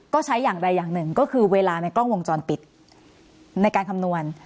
ก็ใช้อย่างใดอย่างหนึ่งก็คือเวลาในกล้องวงจรปิดในการคำนวณ